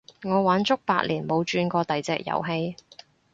我玩足八年冇轉過第隻遊戲